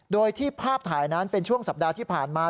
โดยที่ภาพถ่ายนั้นเป็นช่วงสัปดาห์ที่ผ่านมา